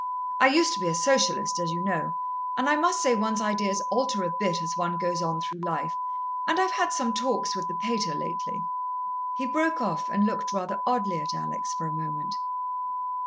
I used to be a Socialist, as you know, but I must say one's ideas alter a bit as one goes on through life, and I've had some talks with the pater lately." He broke off, and looked rather oddly at Alex for a moment.